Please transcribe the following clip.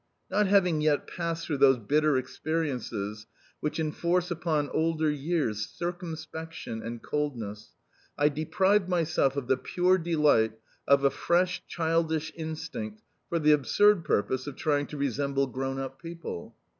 Not having yet passed through those bitter experiences which enforce upon older years circumspection and coldness, I deprived myself of the pure delight of a fresh, childish instinct for the absurd purpose of trying to resemble grown up people.